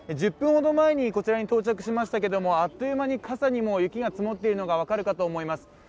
１０分ほど前にこちらに到着しましたけどもあっという間に傘に積もっているのが分かると思います。